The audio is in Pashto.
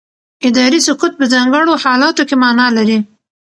اداري سکوت په ځانګړو حالاتو کې معنا لري.